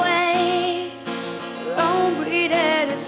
ที่พอจับกีต้าร์ปุ๊บ